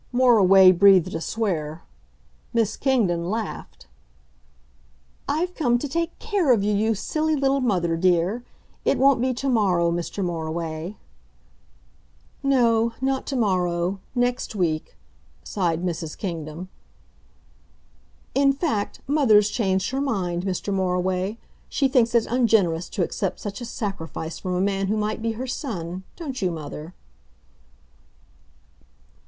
Moriway breathed a swear. Miss Kingdon laughed. "I've come to take care of you, you silly little mother, dear.... It won't be to morrow, Mr. Moriway." "No not to morrow next week," sighed Mrs. Kingdon. "In fact, mother's changed her mind, Mr. Moriway. She thinks it ungenerous to accept such a sacrifice from a man who might be her son don't you, mother?"